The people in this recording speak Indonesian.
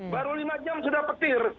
baru lima jam sudah petir